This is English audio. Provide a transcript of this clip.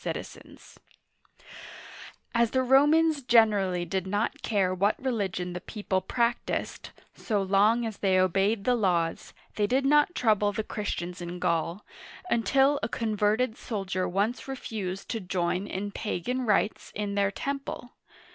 Digitized by Google ROMANS AND GAULS 37 As the Romans generally did not care what religion the people practiced, so long as they obeyed the' laws, they did not trouble the Christians in Gaul, until a converted soldier once refused to join in pagan rites in their temple.